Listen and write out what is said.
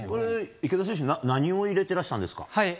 池田選手何を入れてらしたんですか？